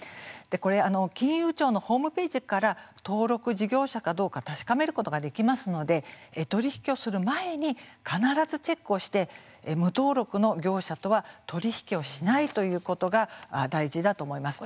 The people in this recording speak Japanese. これ、金融庁のホームページから登録事業者かどうか確かめることができますので取り引きをする前に必ずチェックをして無登録の業者とは取り引きをしないということが大事だと思います。